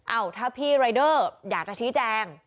ถ้าพี่รายเดอร์อยากจะชี้แจง